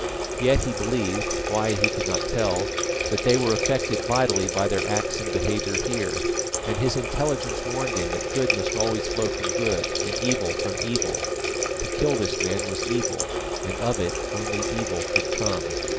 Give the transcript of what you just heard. Yet he believed why he could not tell that they were affected vitally by their acts and behaviour here; and his intelligence warned him that good must always flow from good, and evil from evil. To kill this man was evil, and of it only evil could come.